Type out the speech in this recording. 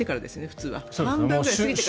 普通は。